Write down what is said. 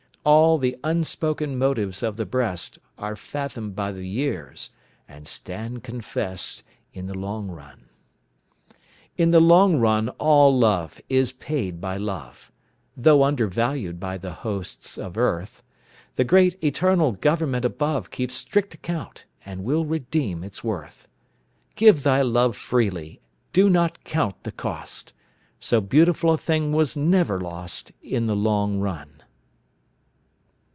All the unspoken motives of the breast Are fathomed by the years and stand confess'd In the long run. In the long run all love is paid by love, Though undervalued by the hosts of earth; The great eternal Government above Keeps strict account and will redeem its worth. Give thy love freely; do not count the cost; So beautiful a thing was never lost In the long run.